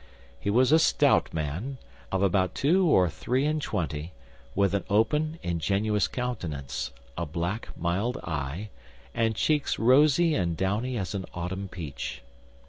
He was a stout man, of about two or three and twenty, with an open, ingenuous countenance, a black, mild eye, and cheeks rosy and downy as an autumn peach.